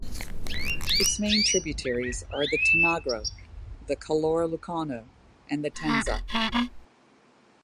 Its main tributaries are the Tanagro, the Calore Lucano and the Tenza.